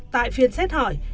tại phiên xét hỏi